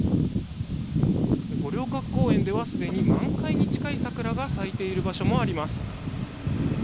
五稜郭公園ではすでに満開に近い桜が咲いている場所もあります。